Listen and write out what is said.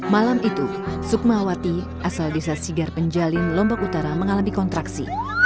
malam itu sukmawati asal desa sigar penjalin lombok utara mengalami kontraksi